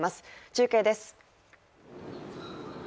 中継です。